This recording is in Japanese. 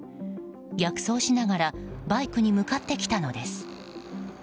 逆走しながらバイクに向かってきたのです。